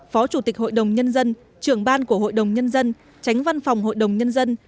phó chủ tịch hội đồng nhân dân trưởng ban của hội đồng nhân dân tránh văn phòng hội đồng nhân dân